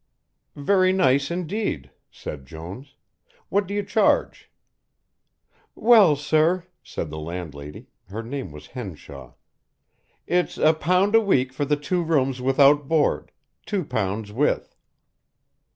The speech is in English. "Very nice indeed," said Jones. "What do you charge?" "Well, sir," said the landlady her name was Henshaw "it's a pound a week for the two rooms without board, two pounds with."